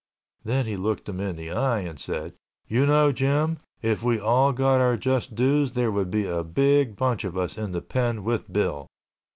Then he looked him in the eye and said, "You know, Jim, if we all got our just dues, there would be a big bunch of us in the pen with Bill."